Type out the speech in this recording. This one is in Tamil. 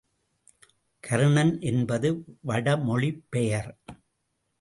கர்ணன் என்பது வடமொழிப்பெயர்.